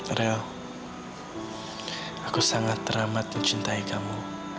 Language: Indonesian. aurel aku sangat ramad mencintai kamu